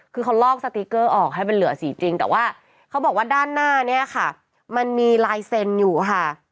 คือเขาลอกสติ๊กเกอร์ออกให้มันเหลือสีจริงแต่ว่าเขาบอกว่าด้านหน้าเนี่ยค่ะมันมีลายเซ็นอยู่ค่ะ